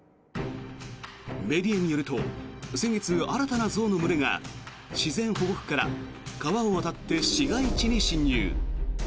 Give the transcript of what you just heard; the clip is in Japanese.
メディアによると先月、新たな象の群れが自然保護区から川を渡って市街地に侵入。